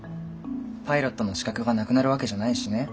パイロットの資格がなくなるわけじゃないしね。